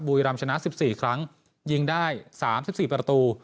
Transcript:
บุรีรำชนะ๑๔ครั้งยิงได้๓๔ประตู